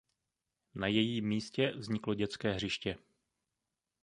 Na jejím místě vzniklo dětské hřiště.